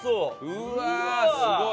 うわーすごい！